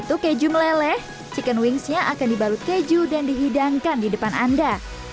untuk keju meleleh chicken wingsnya akan dibalut keju dan dihidangkan di depan anda